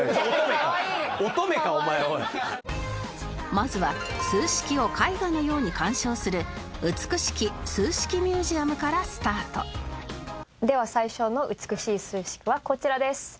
まずは数式を絵画のように鑑賞する美しき数式ミュージアムからスタートでは最初の美しい数式はこちらです。